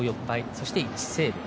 そして、１セーブ。